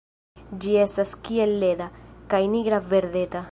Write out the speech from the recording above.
Ĝi estas kiel leda, kaj nigra-verdeta.